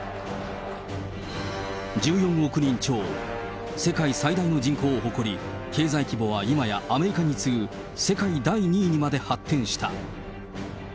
１４億人超、世界最大の人口を誇り、経済規模は今や、アメリカに次ぐ世界第２位にまで発展した。